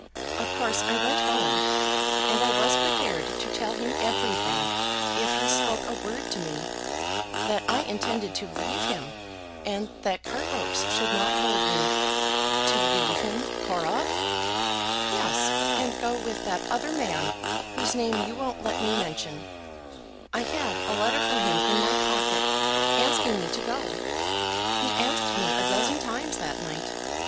Of course I went home, and I was prepared to tell him everything, if he spoke a word to me, that I intended to leave him, and that cart ropes should not hold me!" "To leave him, Cora!" "Yes, and go with that other man whose name you won't let me mention. I had a letter from him in my pocket asking me to go. He asked me a dozen times that night.